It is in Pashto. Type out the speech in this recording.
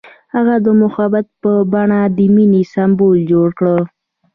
هغه د محبت په بڼه د مینې سمبول جوړ کړ.